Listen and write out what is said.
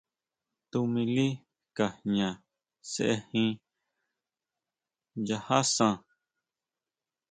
Tuʼmili Ka jña sejin nchaja san.